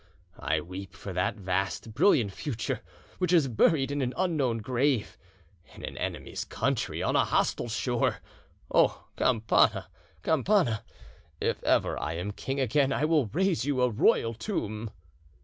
I weep for that vast, brilliant future which is buried in an unknown grave, in an enemy's country, on a hostile shore. Oh, Campana! Campana! if ever I am king again, I will raise you a royal tomb."